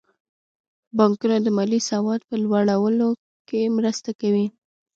بانکونه د مالي سواد په لوړولو کې مرسته کوي.